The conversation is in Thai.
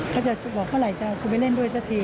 เขาจะบอกเมื่อไหร่จะกูไม่เล่นด้วยสักที